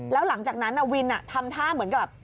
แล้วหลังจากนั้นอ่ะวินอ่ะทำท่าเหมือนกับแบบ